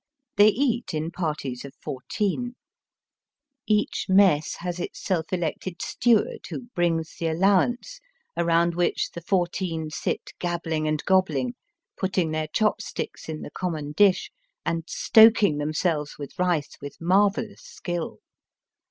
They eat in parties of fourteen. Digitized by VjOOQIC THE HEATHEN. CHINEE. 175 Each mess has its self elected steward, who brings the allowance, around which the four teen sit gabbling and gobbling, putting their chop sticks in the common dish, and stoking themselves with rice with marvellous skill.